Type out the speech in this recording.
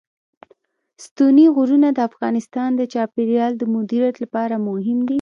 ستوني غرونه د افغانستان د چاپیریال د مدیریت لپاره مهم دي.